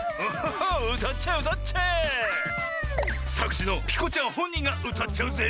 さくしのピコちゃんほんにんがうたっちゃうぜ！